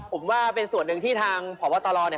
ผมว่าเป็นส่วนหนึ่งที่ทางพบตรเนี่ย